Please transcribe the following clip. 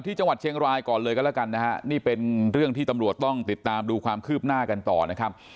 ที่จังหวัดเชียงรายก่อนเลยก็แล้วกันนะฮะนี่เป็นเรื่องที่ตำรวจต้องติดตามดูความคืบหน้ากันต่อนะครับ